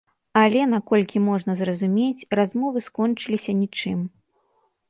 Але, наколькі можна зразумець, размовы скончыліся нічым.